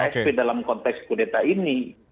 sp dalam konteks kudeta ini